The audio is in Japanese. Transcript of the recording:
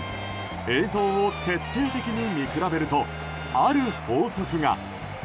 映像を徹底的に見比べるとある法則が。